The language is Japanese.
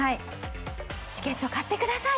チケット買ってください！